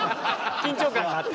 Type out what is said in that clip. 緊張感があった。